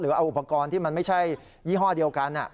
เอาอุปกรณ์ที่มันไม่ใช่ยี่ห้อเดียวกัน